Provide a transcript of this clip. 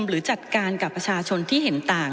หรือจัดการกับประชาชนที่เห็นต่าง